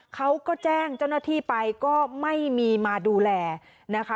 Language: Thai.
เขาก็แจ้งเจ้าหน้าที่ไปก็ไม่มีมาดูแลนะคะ